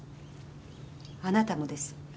あなたもです。